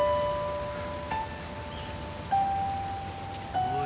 おい。